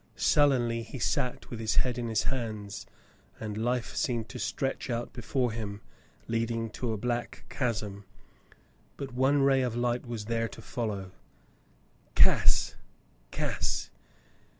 Sullenly he sat with his head in his hands, and life seemed to stretch before him, leading to a black chasm. But one ray of light was there to follow — "Cass, Cass."